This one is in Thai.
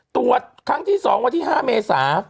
ตรวจครั้งที่๒วันที่๕เมษา